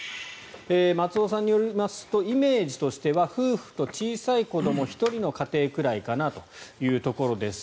松尾さんによりますとイメージとしては夫婦と小さい子１人の家庭くらいかなということです。